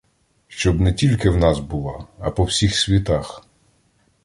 Щоб не тільки в нас була, а по всіх світах!